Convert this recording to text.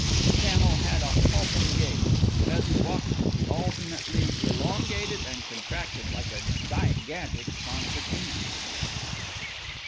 The camel had a halting gait and as he walked he alternately elongated and contracted like a gigantic concertina.